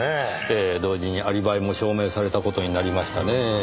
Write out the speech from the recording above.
ええ同時にアリバイも証明された事になりましたねぇ。